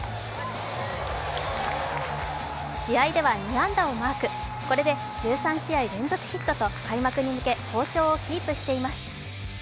試合では２安打をマーク、これで１３試合連続ヒットと開幕に向け好調をキープしています。